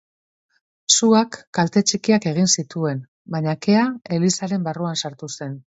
Suak kalte txikiak egin zituen, baina kea elizaren barruan sartu zen.